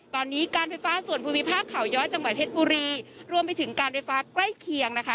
ตอนนี้การไฟฟ้าส่วนภูมิภาคเขาย้อยจังหวัดเพชรบุรีรวมไปถึงการไฟฟ้าใกล้เคียงนะคะ